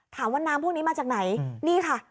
ถามว่าน้ำพวกนี้มาจากไหนนี่ค่ะ